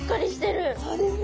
そうですね。